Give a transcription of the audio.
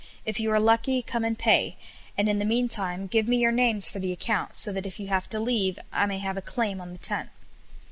If you are lucky, come and pay; and, in the meantime, give me your names for the account, so that if you have to leave I may have a claim on the tent."